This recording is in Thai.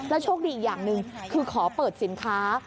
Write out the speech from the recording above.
โชคดีอีกอย่างหนึ่งคือขอเปิดสินค้า